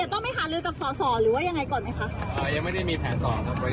ขอบคุณค่ะ